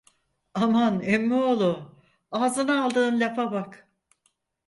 Aman, emmioğlu, ağzına aldığın lafa bak.